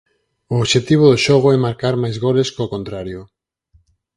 O obxectivo do xogo é marcar máis goles có contrario.